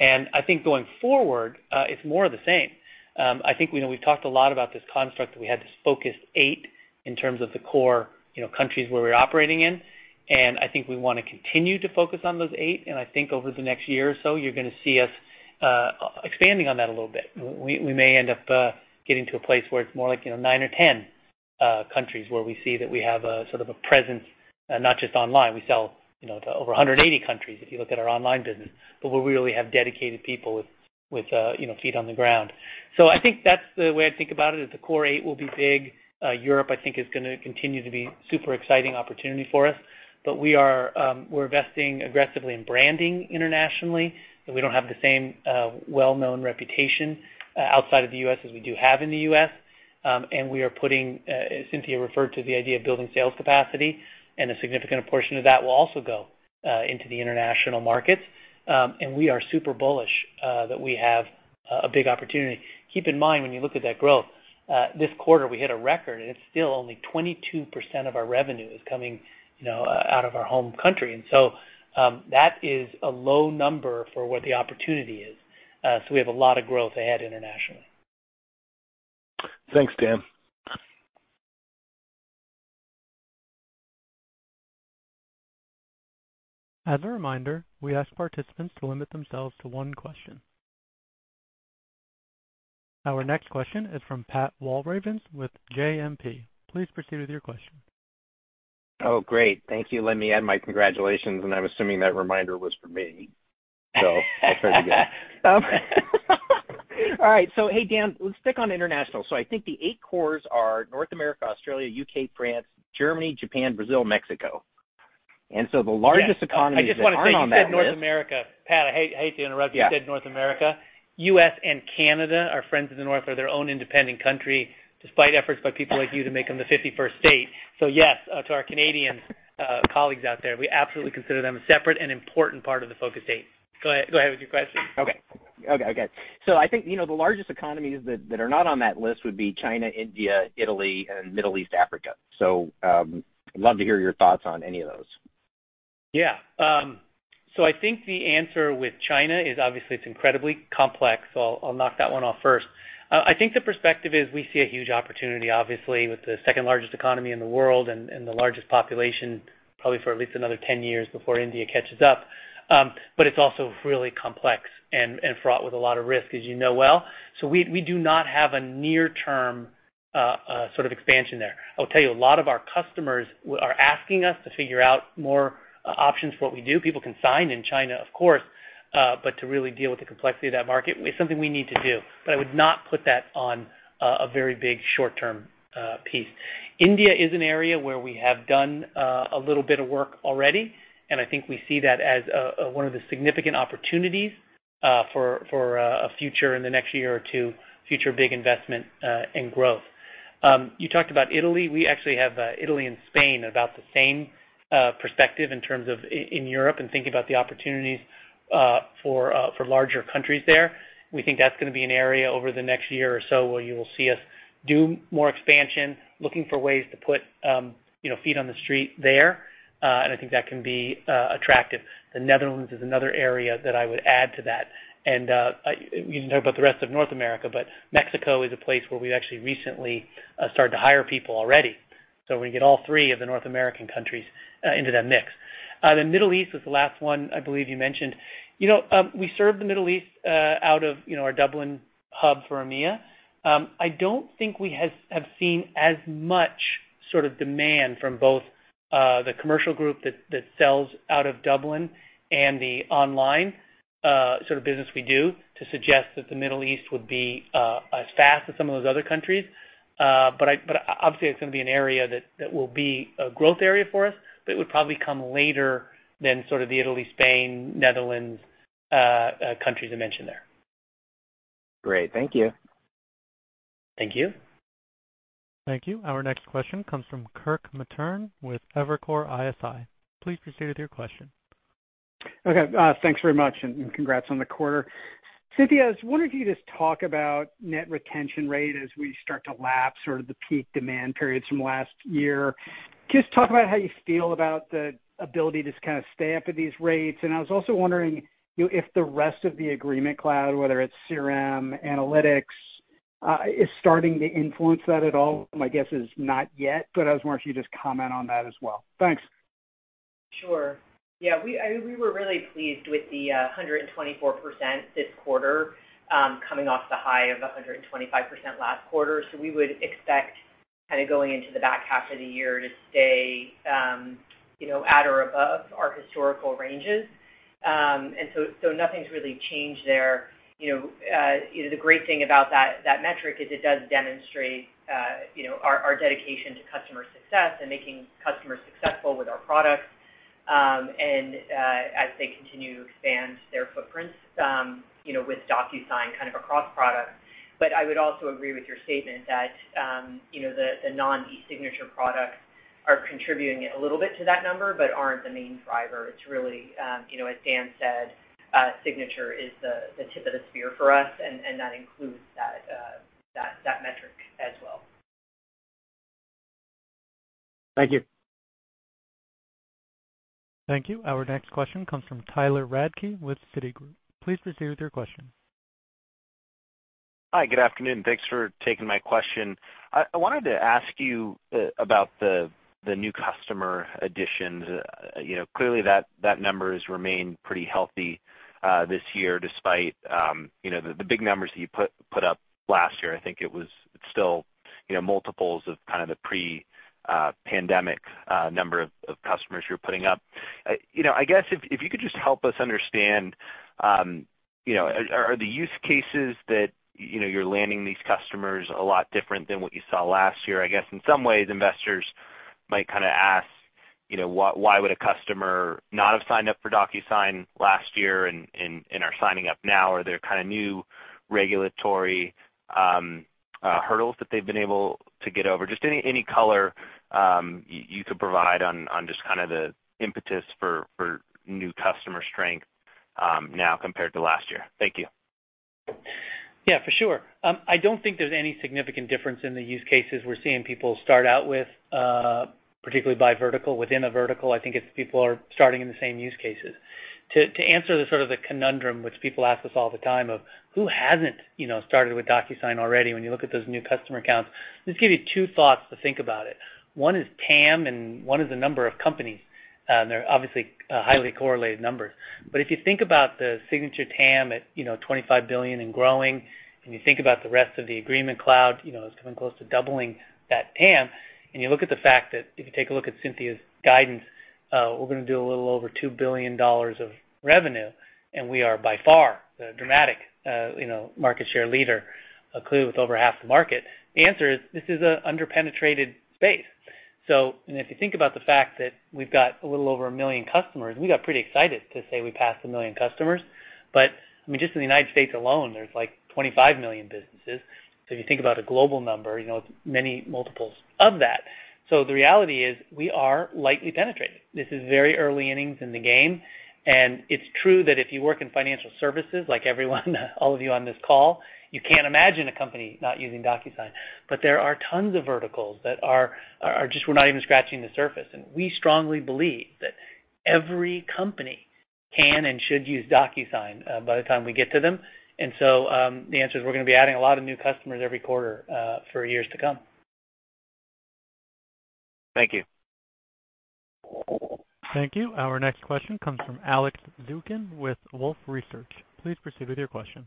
I think going forward, it's more of the same. I think we've talked a lot about this construct that we had this focus eight in terms of the core countries where we're operating in. I think we want to continue to focus on those eight. I think over the next year or so, you're going to see us expanding on that a little bit. We may end up getting to a place where it's more like nine or 10 countries where we see that we have a sort of a presence, not just online. We sell to over 180 countries if you look at our online business, but where we really have dedicated people with feet on the ground. I think that's the way I think about it, is the core eight will be big. Europe, I think, is going to continue to be super exciting opportunity for us. We're investing aggressively in branding internationally, but we don't have the same well-known reputation outside of the U.S. as we do have in the U.S. We are putting, as Cynthia referred to, the idea of building sales capacity, and a significant portion of that will also go into the international markets. We are super bullish that we have a big opportunity. Keep in mind when you look at that growth, this quarter we hit a record and it's still only 22% of our revenue is coming out of our home country. That is a low number for what the opportunity is. We have a lot of growth ahead internationally. Thanks, Dan. As a reminder, we ask participants to limit themselves to one question. Our next question is from Pat Walravens with JMP. Please proceed with your question. Oh, great. Thank you. Let me add my congratulations, and I'm assuming that reminder was for me. I'll try it again. All right. Hey, Dan, let's stick on international. I think the eight core are North America, Australia, U.K., France, Germany, Japan, Brazil, Mexico. The largest economies that aren't on that list- I just want to say, you said North America. Pat, I hate to interrupt. Yeah. You said North America. U.S. and Canada, our friends of the North, are their own independent country, despite efforts by people like you to make them the 51st state. Yes, to our Canadian colleagues out there, we absolutely consider them a separate and important part of the focus eight. Go ahead with your question. Okay. I think the largest economies that are not on that list would be China, India, Italy, and Middle East, Africa. Love to hear your thoughts on any of those. Yeah. I think the answer with China is obviously it's incredibly complex, so I'll knock that one off first. I think the perspective is we see a huge opportunity, obviously, with the second-largest economy in the world and the largest population, probably for at least another 10 years before India catches up. It's also really complex and fraught with a lot of risk, as you know well. We do not have a near-term expansion there. I'll tell you, a lot of our customers are asking us to figure out more options for what we do. People can sign in China, of course, but to really deal with the complexity of that market is something we need to do. I would not put that on a very big short-term piece. India is an area where we have done a little bit of work already, and I think we see that as one of the significant opportunities for a future, in the next year or two, future big investment in growth. You talked about Italy. We actually have Italy and Spain about the same perspective in terms of in Europe and thinking about the opportunities for larger countries there. We think that's going to be an area over the next year or so where you will see us do more expansion, looking for ways to put feet on the street there. I think that can be attractive. The Netherlands is another area that I would add to that. You didn't talk about the rest of North America, but Mexico is a place where we've actually recently started to hire people already. We're gonna get all three of the North American countries into that mix. The Middle East was the last one I believe you mentioned. We serve the Middle East out of our Dublin hub for EMEA. I don't think we have seen as much demand from both the commercial group that sells out of Dublin and the online business we do to suggest that the Middle East would be as fast as some of those other countries. Obviously, it's going to be an area that will be a growth area for us, but it would probably come later than the Italy, Spain, Netherlands countries I mentioned there. Great. Thank you. Thank you. Thank you. Our next question comes from Kirk Materne with Evercore ISI. Please proceed with your question. Okay. Thanks very much, and congrats on the quarter. Cynthia, I was wondering if you could just talk about net retention rate as we start to lap the peak demand periods from last year. Just talk about how you feel about the ability to stay up at these rates. I was also wondering if the rest of the DocuSign Agreement Cloud, whether it's CLM, analytics, is starting to influence that at all. My guess is not yet, but I was wondering if you could just comment on that as well. Thanks. Sure. Yeah, we were really pleased with the 124% this quarter, coming off the high of 125% last quarter. We would expect going into the back half of the year to stay at or above our historical ranges. Nothing's really changed there. The great thing about that metric is it does demonstrate our dedication to customer success and making customers successful with our products, and as they continue to expand their footprints with DocuSign across products. I would also agree with your statement that the non-eSignature products are contributing a little bit to that number but aren't the main driver. It's really, as Dan said, signature is the tip of the spear for us, and that includes that metric as well. Thank you. Thank you. Our next question comes from Tyler Radke with Citigroup. Please proceed with your question. Hi, good afternoon. Thanks for taking my question. I wanted to ask you about the new customer additions. Clearly, that number has remained pretty healthy this year despite the big numbers that you put up last year. I think it's still multiples of the pre-pandemic number of customers you were putting up. I guess if you could just help us understand, are the use cases that you're landing these customers a lot different than what you saw last year? I guess in some ways, investors might ask why would a customer not have signed up for DocuSign last year and are signing up now. Are there new regulatory hurdles that they've been able to get over? Just any color you could provide on just the impetus for new customer strength now compared to last year? Thank you. Yeah, for sure. I don't think there's any significant difference in the use cases we're seeing people start out with, particularly by vertical. Within a vertical, I think people are starting in the same use cases. To answer the conundrum which people ask us all the time of who hasn't started with DocuSign already, when you look at those new customer accounts, just give you two thoughts to think about it. One is TAM, and one is the number of companies. They're obviously highly correlated numbers. If you think about the signature TAM at $25 billion and growing, and you think about the rest of the Agreement Cloud, it's coming close to doubling that TAM, and you look at the fact that if you take a look at Cynthia's guidance, we're going to do a little over $2 billion of revenue, and we are by far the dramatic market share leader, clearly with over half the market, the answer is this is an under-penetrated space. If you think about the fact that we've got a little over 1 million customers, and we got pretty excited to say we passed 1 million customers. Just in the U.S. alone, there's 25 million businesses. If you think about a global number, it's many multiples of that. The reality is we are lightly penetrated. This is very early innings in the game. It's true that if you work in financial services, like everyone, all of you on this call, you can't imagine a company not using DocuSign, but there are tons of verticals that we're not even scratching the surface. We strongly believe that every company can and should use DocuSign by the time we get to them. The answer is we're going to be adding a lot of new customers every quarter for years to come. Thank you. Thank you. Our next question comes from Alex Zukin with Wolfe Research. Please proceed with your question.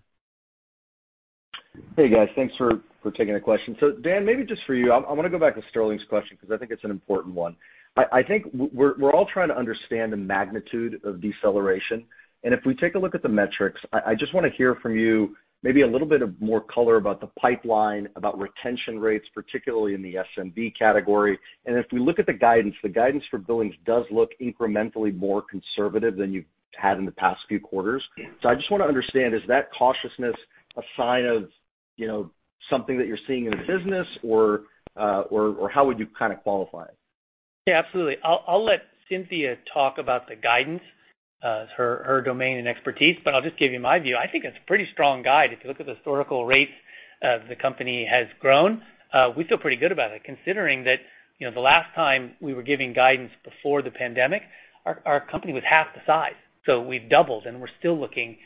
Hey, guys. Thanks for taking the question. Dan, maybe just for you, I want to go back to Sterling's question because I think it's an important one. I think we're all trying to understand the magnitude of deceleration, and if we take a look at the metrics, I just want to hear from you maybe a little bit of more color about the pipeline, about retention rates, particularly in the SMB category. If we look at the guidance, the guidance for billings does look incrementally more conservative than you've had in the past few quarters. I just want to understand, is that cautiousness a sign of something that you're seeing in the business or how would you qualify it? Yeah, absolutely. I'll let Cynthia talk about the guidance, it's her domain and expertise, but I'll just give you my view. I think it's a pretty strong guide. If you look at the historical rates the company has grown, we feel pretty good about it considering that the last time we were giving guidance before the pandemic, our company was half the size. We've doubled, and we're still looking at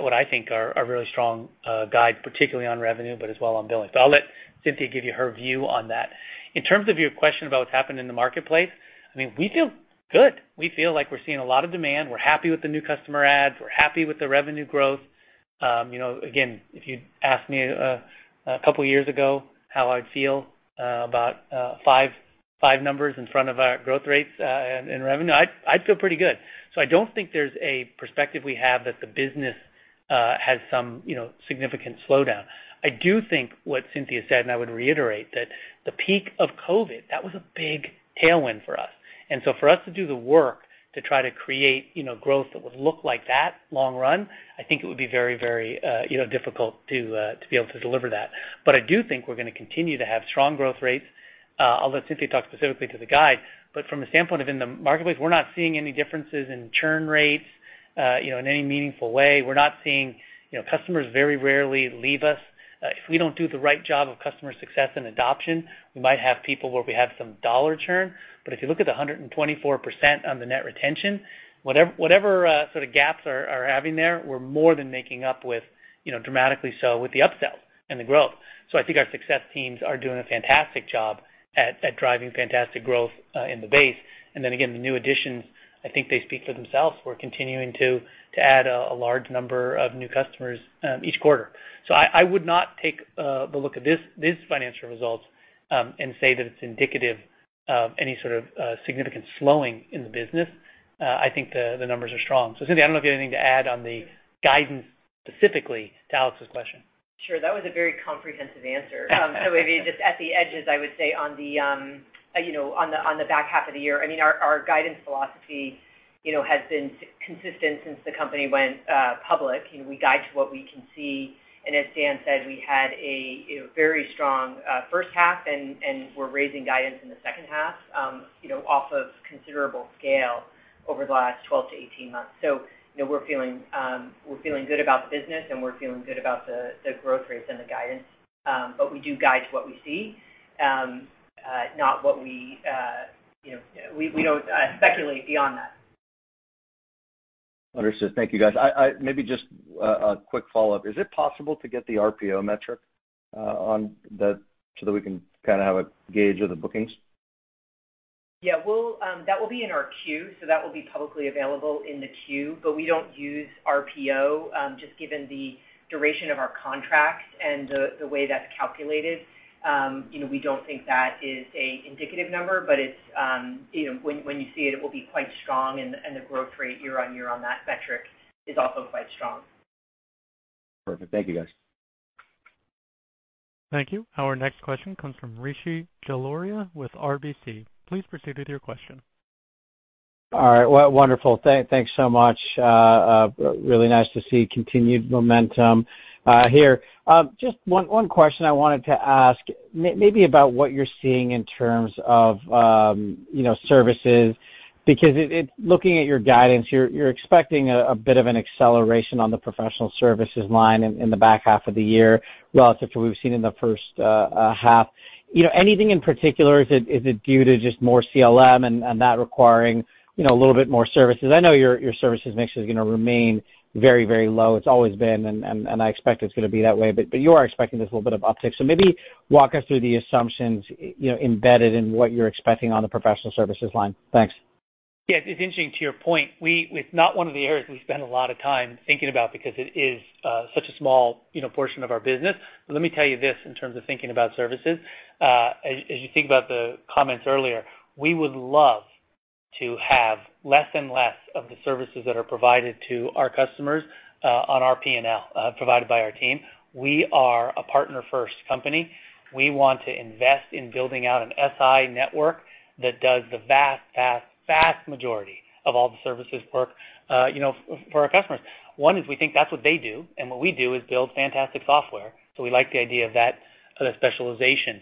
what I think are a really strong guide, particularly on revenue, but as well on billing. I'll let Cynthia give you her view on that. In terms of your question about what's happened in the marketplace, we feel good. We feel like we're seeing a lot of demand. We're happy with the new customer adds, we're happy with the revenue growth. If you'd asked me a couple of years ago how I'd feel about five numbers in front of our growth rates, and in revenue, I'd feel pretty good. I don't think there's a perspective we have that the business has some significant slowdown. I do think what Cynthia said, and I would reiterate, that the peak of COVID, that was a big tailwind for us. For us to do the work to try to create growth that would look like that long run, I think it would be very difficult to be able to deliver that. I do think we're going to continue to have strong growth rates. I'll let Cynthia talk specifically to the guide. From a standpoint of in the marketplace, we're not seeing any differences in churn rates, in any meaningful way. We're not seeing customers very rarely leave us. If we don't do the right job of customer success and adoption, we might have people where we have some dollar churn. If you look at the 124% on the net retention, whatever sort of gaps are having there, we're more than making up with dramatically so with the upsells and the growth. I think our success teams are doing a fantastic job at driving fantastic growth in the base. The new additions, I think they speak for themselves. We're continuing to add a large number of new customers each quarter. I would not take a look at these financial results and say that it's indicative of any sort of significant slowing in the business. I think the numbers are strong. Cynthia Gaylor, I don't know if you have anything to add on the guidance specifically to Alex Zukin's question. Maybe just at the edges, I would say on the back half of the year, our guidance philosophy has been consistent since the company went public. We guide to what we can see, and as Dan said, we had a very strong first half, and we're raising guidance in the second half, off of considerable scale over the last 12-18 months. We're feeling good about the business, and we're feeling good about the growth rates and the guidance. But we do guide to what we see. We don't speculate beyond that. Understood. Thank you, guys. Maybe just a quick follow-up. Is it possible to get the RPO metric so that we can have a gauge of the bookings? Yeah. That will be in our queue, so that will be publicly available in the queue, but we don't use RPO, just given the duration of our contracts and the way that's calculated. We don't think that is a indicative number, but when you see it will be quite strong and the growth rate year-over-year on that metric is also quite strong. Perfect. Thank you, guys. Thank you. Our next question comes from Rishi Jaluria with RBC. Please proceed with your question. All right. Well, wonderful. Thanks so much. Really nice to see continued momentum here. Just one question I wanted to ask maybe about what you're seeing in terms of services, because looking at your guidance, you're expecting a bit of an acceleration on the professional services line in the back half of the year relative to what we've seen in the first half. Anything in particular, is it due to just more CLM and that requiring a little bit more services? I know your services mix is going to remain very low. It's always been, and I expect it's going to be that way, but you are expecting this little bit of uptick. Maybe walk us through the assumptions embedded in what you're expecting on the professional services line. Thanks. Yeah, it's interesting to your point, it's not one of the areas we spend a lot of time thinking about because it is such a small portion of our business. Let me tell you this in terms of thinking about services. As you think about the comments earlier, we would love to have less and less of the services that are provided to our customers, on our P&L, provided by our team. We are a partner-first company. We want to invest in building out an SI network that does the vast majority of all the services for our customers. One is we think that's what they do, and what we do is build fantastic software. We like the idea of that specialization.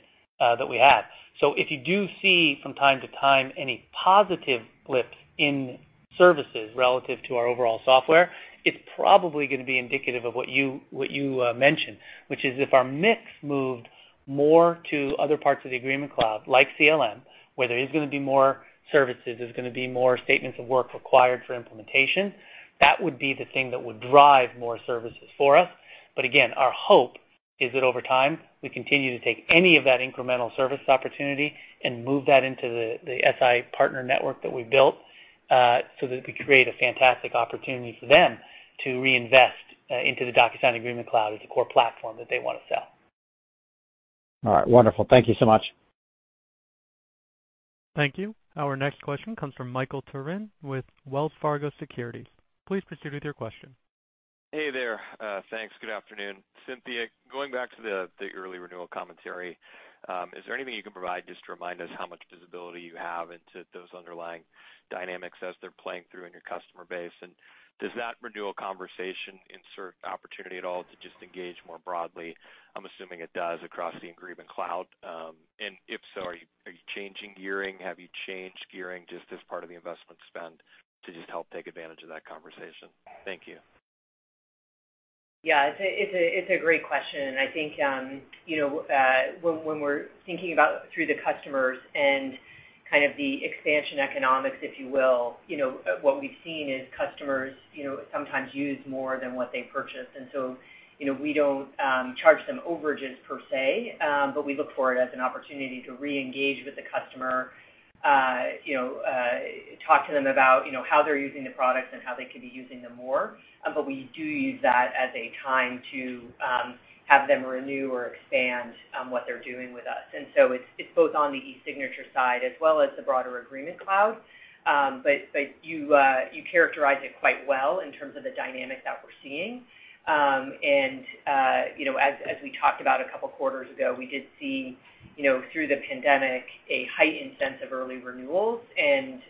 If you do see from time to time any positive lift in services relative to our overall software, it's probably going to be indicative of what you mentioned, which is if our mix moved more to other parts of the DocuSign Agreement Cloud, like CLM, where there is going to be more services, there's going to be more statements of work required for implementation. That would be the thing that would drive more services for us. Again, our hope is that over time, we continue to take any of that incremental service opportunity and move that into the SI partner network that we built, so that we create a fantastic opportunity for them to reinvest into the DocuSign Agreement Cloud as a core platform that they want to sell. All right, wonderful. Thank you so much. Thank you. Our next question comes from Michael Turrin with Wells Fargo Securities. Please proceed with your question. Hey there. Thanks. Good afternoon. Cynthia, going back to the early renewal commentary, is there anything you can provide just to remind us how much visibility you have into those underlying dynamics as they're playing through in your customer base? Does that renewal conversation insert opportunity at all to just engage more broadly, I'm assuming it does, across the Agreement Cloud? If so, are you changing gearing? Have you changed gearing just as part of the investment spend to just help take advantage of that conversation? Thank you. Yeah, it's a great question, and I think when we're thinking about through the customers and kind of the expansion economics, if you will, what we've seen is customers sometimes use more than what they purchase. We don't charge them overages per se, but we look for it as an opportunity to reengage with the customer, talk to them about how they're using the products and how they could be using them more. We do use that as a time to have them renew or expand on what they're doing with us. It's both on the eSignature side as well as the broader Agreement Cloud. You characterized it quite well in terms of the dynamic that we're seeing. As we talked about a couple of quarters ago, we did see through the pandemic a heightened sense of early renewals, and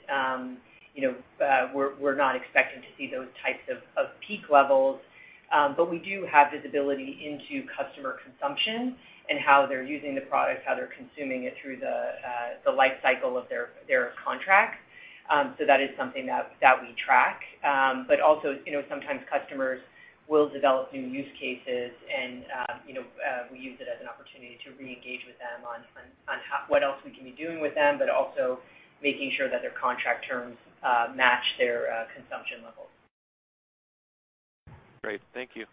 we're not expecting to see those types of peak levels. We do have visibility into customer consumption and how they're using the product, how they're consuming it through the life cycle of their contract. So that is something that we track. Also, sometimes customers will develop new use cases, and we use it as an opportunity to reengage with them on what else we can be doing with them, but also making sure that their contract terms match their consumption levels. Great. Thank you.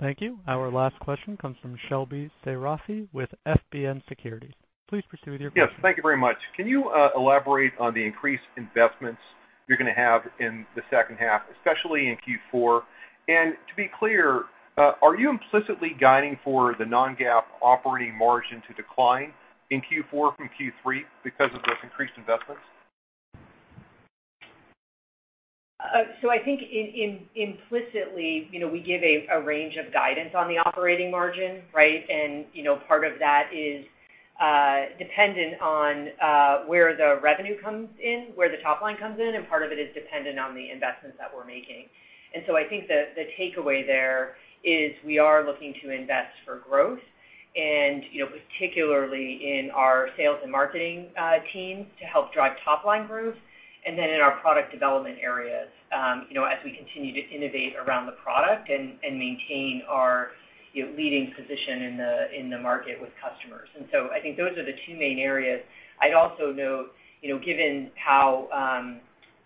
Thank you. Our last question comes from Shelby Seyrafi with FBN Securities. Please proceed with your question. Yes, thank you very much. Can you elaborate on the increased investments you're going to have in the second half, especially in Q4? To be clear, are you implicitly guiding for the non-GAAP operating margin to decline in Q4 from Q3 because of those increased investments? I think implicitly, we give a range of guidance on the operating margin, right? Part of that is dependent on where the revenue comes in, where the top line comes in, and part of it is dependent on the investments that we're making. I think the takeaway there is we are looking to invest for growth and particularly in our sales and marketing teams to help drive top-line growth and then in our product development areas as we continue to innovate around the product and maintain our leading position in the market with customers. I think those are the two main areas. I'd also note, given how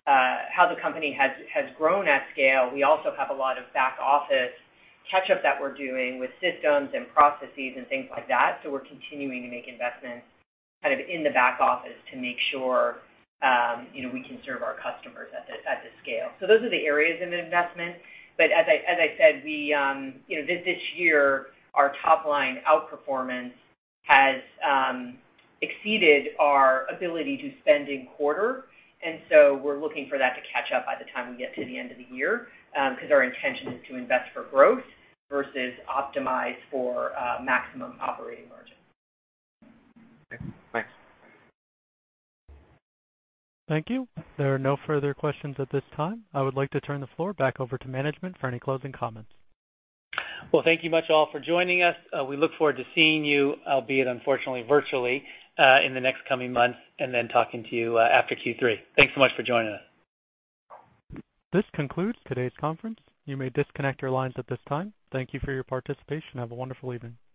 the company has grown at scale, we also have a lot of back-office catch-up that we're doing with systems and processes and things like that. We're continuing to make investments kind of in the back office to make sure we can serve our customers at the scale. Those are the areas of investment. As I said, this year, our top-line outperformance has exceeded our ability to spend in-quarter, we're looking for that to catch up by the time we get to the end of the year, because our intention is to invest for growth versus optimize for maximum operating margin. Okay. Thanks. Thank you. There are no further questions at this time. I would like to turn the floor back over to management for any closing comments. Well, thank you much, all, for joining us. We look forward to seeing you, albeit unfortunately virtually, in the next coming months and then talking to you after Q3. Thanks so much for joining us. This concludes today's conference. You may disconnect your lines at this time. Thank you for your participation. Have a wonderful evening.